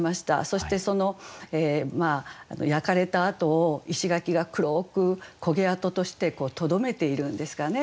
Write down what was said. そしてその焼かれた跡を石垣が黒く焦げ跡としてとどめているんですかね。